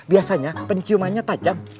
biasanya penciumannya tajam